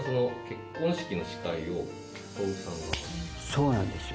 そうなんですよ。